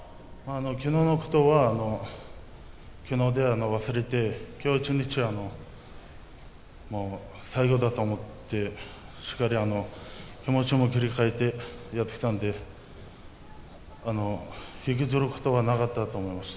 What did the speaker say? きのうのことはきのうで忘れてきょう一日、もう最後だと思ってしっかり気持ちも切り替えてやってきたので引きずることはなかったと思います。